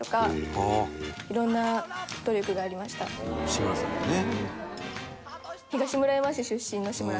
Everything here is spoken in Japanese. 志村さんにね。